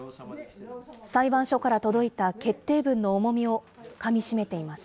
裁判所から届いた決定文の重みをかみしめています。